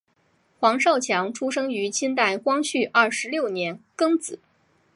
黄少强出生于清代光绪二十六年庚子。